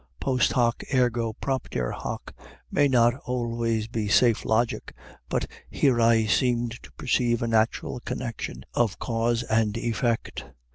Post hoc ergo propter hoc may not always be safe logic, but here I seemed to perceive a natural connection of cause and effect.